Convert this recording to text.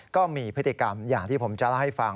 ก็มีพฤติกรรมอย่างที่ผมจะเล่าให้ฟัง